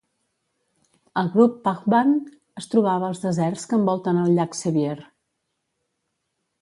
El grup Pahvant es trobava als deserts que envolten el llac Sevier.